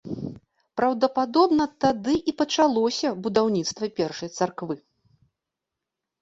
Праўдападобна тады і пачалося будаўніцтва першай царквы.